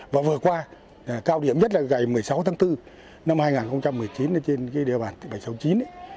và vừa qua cao điểm nhất là ngày một mươi sáu tháng bốn năm hai nghìn một mươi chín trên địa bàn tỉnh bảy trăm sáu mươi chín ấy